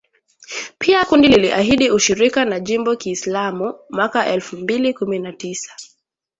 Pia kundi liliahidi ushirika na Jimbo Kiislamu mwaka elfu mbili kumi na tisa